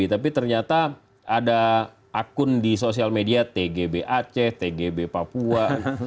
tapi ternyata ada akun di sosial media tgb aceh tgb papua